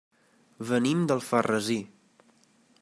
Venim d'Alfarrasí.